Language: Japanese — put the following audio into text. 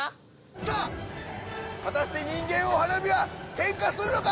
さあ果たして人間大花火は点火するのか？